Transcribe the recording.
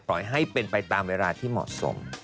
ปล่อยให้เป็นไปตามเวลาที่เหมาะสม